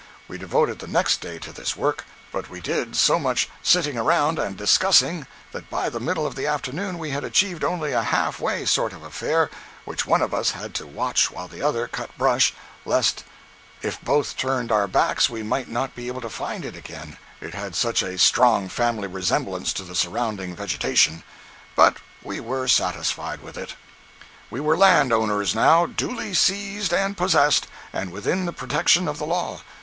We devoted the next day to this work, but we did so much "sitting around" and discussing, that by the middle of the afternoon we had achieved only a half way sort of affair which one of us had to watch while the other cut brush, lest if both turned our backs we might not be able to find it again, it had such a strong family resemblance to the surrounding vegetation. But we were satisfied with it. We were land owners now, duly seized and possessed, and within the protection of the law.